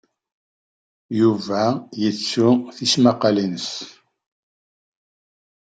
Yuba yettu tismaqqalin-nnes.